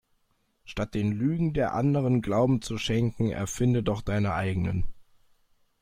Statt den Lügen der Anderen Glauben zu schenken erfinde doch deine eigenen.